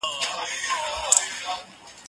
هغه وويل چي سپينکۍ مينځل ضروري دي،